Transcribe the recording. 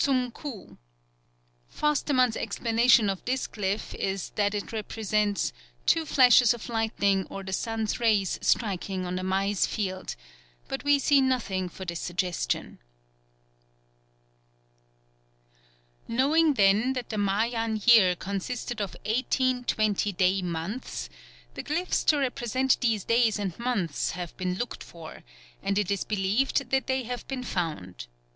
Cum ku. Forstemann's explanation of this glyph is that it represents "two flashes of lightning or the sun's rays striking on a maize field," but we see nothing for this suggestion. Knowing then that the Mayan year consisted of eighteen 20 day months, the glyphs to represent these days and months have been looked for, and it is believed they have been found.